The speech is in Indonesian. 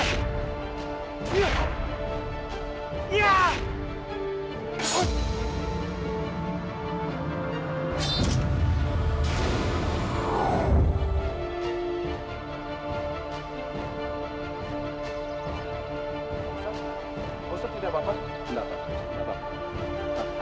tidak pak tidak apa apa